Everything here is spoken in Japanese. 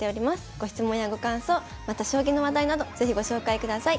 ご質問やご感想また将棋の話題など是非ご紹介ください。